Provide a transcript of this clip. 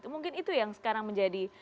mungkin itu yang sekarang menjadi